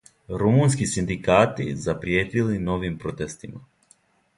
Румунски синдикати запријетили новим протестима